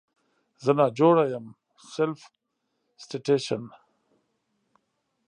زه ناجوړه یم Self Citation